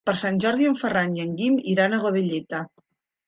Per Sant Jordi en Ferran i en Guim iran a Godelleta.